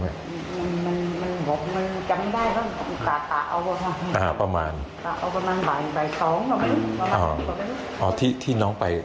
มันบอกมันจำไม่ได้ตะเอาประมาณ๒นาทีกว่าไปรู้